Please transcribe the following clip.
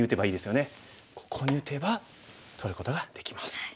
ここに打てば取ることができます。